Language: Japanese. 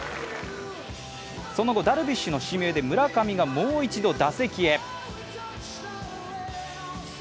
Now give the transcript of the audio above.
その後、ダルビッシュの指名で村上がもう一度打席へ。